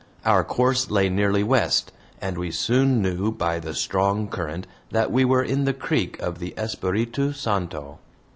Our course lay nearly west, and we soon knew by the strong current that we were in the creek of the Espiritu Santo.